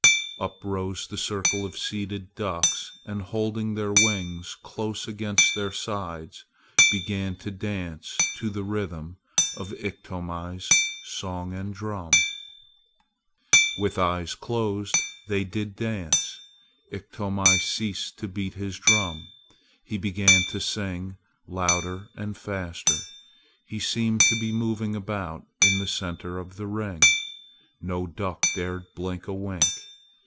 Up rose the circle of seated ducks and holding their wings close against their sides began to dance to the rhythm of Iktomi's song and drum. With eyes closed they did dance! Iktomi ceased to beat his drum. He began to sing louder and faster. He seemed to be moving about in the center of the ring. No duck dared blink a wink.